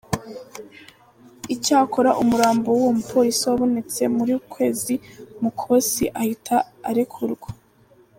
Icyakora umurambo w’uwo mupolisi wabonetse muri uku kwezi Mukhosi ahita arekurwa.